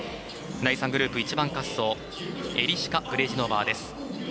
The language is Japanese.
第３グループ、１番滑走エリシュカ・ブレジノバーです。